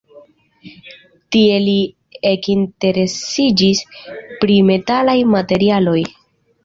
Tie li ekinteresiĝis pri metalaj materialoj.